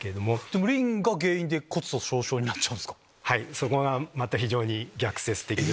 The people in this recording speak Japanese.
そこがまた非常に逆説的で。